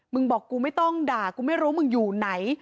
บอกกูไม่ต้องด่ากูไม่รู้มึงอยู่ไหน